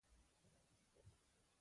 هسې مسې نه، خبره کوه